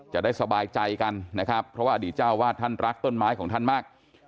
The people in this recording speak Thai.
จะได้สบายใจกันนะครับเพราะว่าอดีตเจ้าวาดท่านรักต้นไม้ของท่านมาก